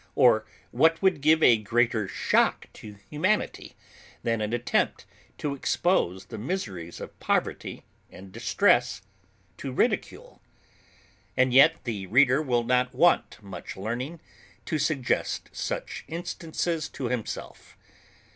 or what would give a greater shock to humanity than an attempt to expose the miseries of poverty and distress to ridicule? And yet the reader will not want much learning to suggest such instances to himself.